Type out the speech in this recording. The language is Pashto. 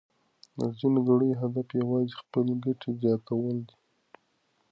د ځینو کړیو هدف یوازې خپلې ګټې زیاتول دي.